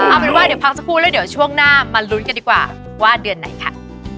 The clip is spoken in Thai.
เอาเป็นว่าเดี๋ยวพักสักครู่แล้วเดี๋ยวช่วงหน้ามาลุ้นกันดีกว่าว่าเดือนไหนค่ะ